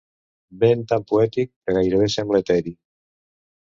Vent tan poètic que gairebé sembla eteri.